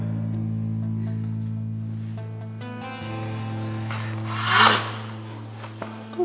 terima kasih tuhan